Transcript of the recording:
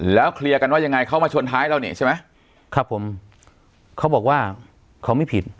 แล้วเคลียร์กันว่ายังไงเขามาชนท้ายเรานี่ใช่ไหมครับผมเขาบอกว่าเขาไม่ผิด